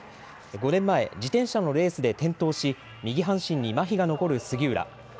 ５年前、自転車のレースで転倒し、右半身にまひが残る杉浦。